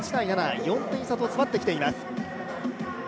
４点差と詰まってきています。